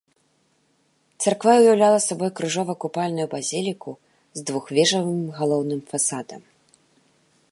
Царква уяўляла сабой крыжова-купальную базіліку з двухвежавым галоўным фасадам.